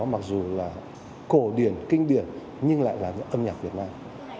mặc dù là cổ điển kinh điển nhưng lại là âm nhạc việt nam